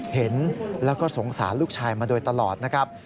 เห็นแล้วก็สงสารลูกชายมาโดยตลอดนะครับ